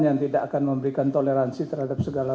yang tidak akan memberikan toleransi terhadap segala